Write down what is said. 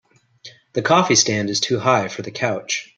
The coffee stand is too high for the couch.